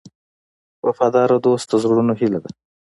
وفادار دوست د زړونو هیله ده.